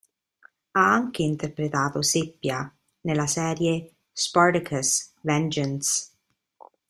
Ha anche interpretato Seppia, nella serie "Spartacus: Vengeance".